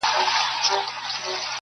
په کوم مخ به د خالق مخ ته درېږم؟٫